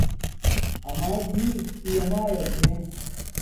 آما جی پیا مایا چھے